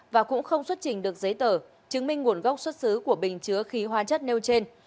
và cũng không xuất trình được giấy tờ chứng minh nguồn gốc xuất xứ của bình chứa khí hóa chất nêu trên